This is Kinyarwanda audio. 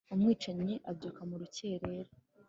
umwicanyi abyuka mu rukerera